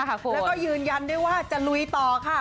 แล้วก็ยืนยันด้วยว่าจะลุยต่อค่ะ